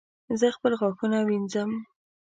زه خپل غاښونه وینځم